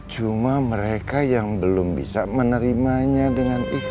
cuma mereka yang belum bisa menerimanya dengan ikhlas